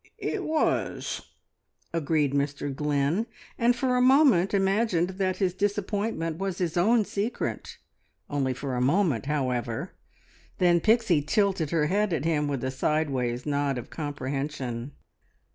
"It was," agreed Mr Glynn, and for a moment imagined that his disappointment was his own secret only for a moment, however, then Pixie tilted her head at him with a sideways nod of comprehension.